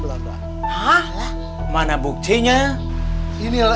ternyata suami ini memang rohayeh dengan menjadi hantu roma belanda